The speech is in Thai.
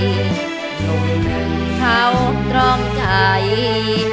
นุ่มหนึ่งเขาตรองใจ